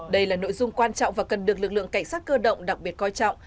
đây là nội dung quan trọng và cần được lực lượng cảnh sát cơ động đặc biệt coi trọng